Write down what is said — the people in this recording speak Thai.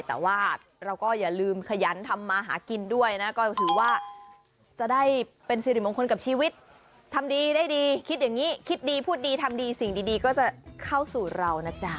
แต่ว่าเราก็อย่าลืมขยันทำมาหากินด้วยนะ